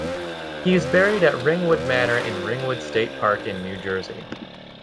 He is buried at Ringwood Manor in Ringwood State Park in New Jersey.